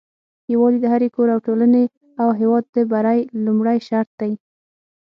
يوالي د هري کور او ټولني او هيواد د بری لمړي شرط دي